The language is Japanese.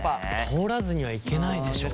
通らずにはいけないでしょ。